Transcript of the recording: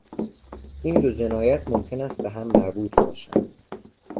این دو جنایت ممکن است بههم مربوط باشند.